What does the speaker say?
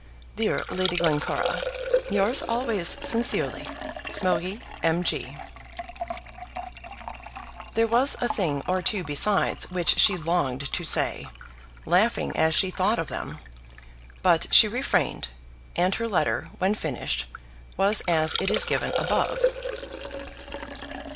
Dear Lady Glencora, yours always sincerely, MARIE M. G. There was a thing or two besides which she longed to say, laughing as she thought of them. But she refrained, and her letter, when finished, was as it is given above.